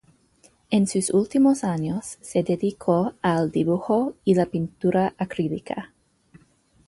En sus últimos años, se dedicó al dibujo y la pintura acrílica.